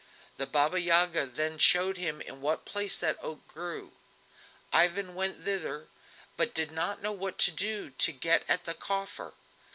The Baba Yaga then showed him in what place that oak grew: Ivan went thither, but did not know what to do to get at the coffer.